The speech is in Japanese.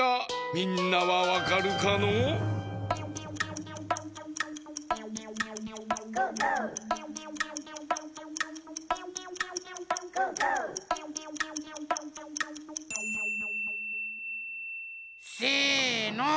みんなはわかるかのう？せの！